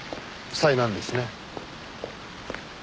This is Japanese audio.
災難ですね。